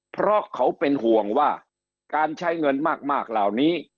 เพราะเขาเป็นห่วงว่าการใช้เงินมากเหล่านี้